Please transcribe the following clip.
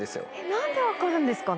何で分かるんですかね？